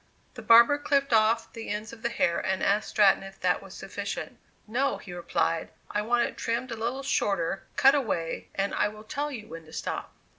The barber clipped off the ends of the hair, and asked Stratton if that was sufficient. "No," he replied, "I want it trimmed a little shorter; cut away, and I will tell you when to stop."